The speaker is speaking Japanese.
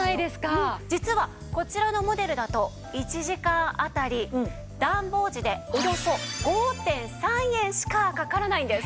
実はこちらのモデルだと１時間あたり暖房時でおよそ５．３円しかかからないんです。